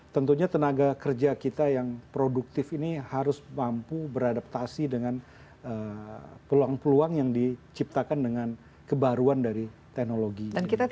tentunya tenaga kerja kita yang produktif ini harus mampu beradaptasi dengan peluang peluang yang diciptakan dengan kebaruan dari teknologi